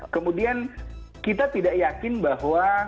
kemudian kita tidak yakin bahwa